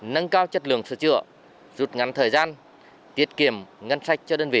nâng cao chất lượng sửa chữa rút ngắn thời gian tiết kiệm ngân sách cho đơn vị